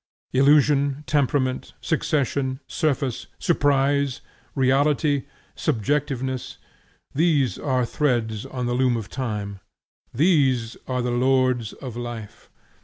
Illusion, Temperament, Succession, Surface, Surprise, Reality, Subjectiveness, these are threads on the loom of time, these are the lords of life.